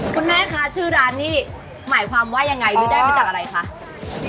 คุณแม่คะชื่อร้านนี่หมายความว่ายังไงหรือได้มาจากอะไรคะ